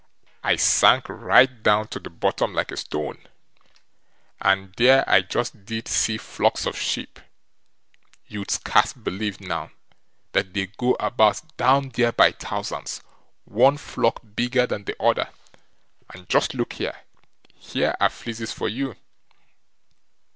I sank right down to the bottom like a stone, and there I just did see flocks of sheep; you'd scarce believe now, that they go about down there by thousands, one flock bigger than the other. And just look here! here are fleeces for you!"